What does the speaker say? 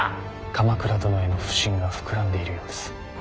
鎌倉殿への不信が膨らんでいるようです。